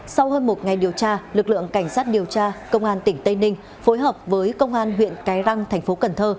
sau hơn một ngày điều tra lực lượng cảnh sát điều tra công an tỉnh tây ninh phối hợp với công an huyện cái răng tp hcm